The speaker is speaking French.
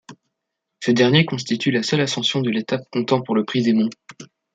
Ce dernier constitue la seule ascension de l'étape comptant pour le prix des monts.